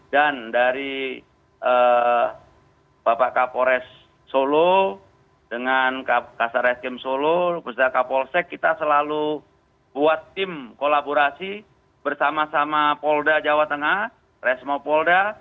dan dari bapak kapolres solo dengan kasa resim solo bapak kapolsek kita selalu buat tim kolaborasi bersama sama polda jawa tengah resmo polda